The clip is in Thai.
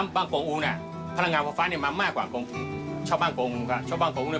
ผลังงานไฟฟ้าตัดเองค่ะพับชิ้นแน่ขึ้นเลย